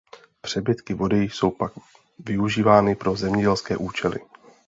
Přebytky vody jsou pak využívány pro zemědělské účely.